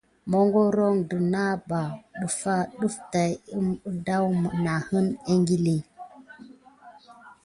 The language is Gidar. Magoro anaka ɓa defa def menane ékili.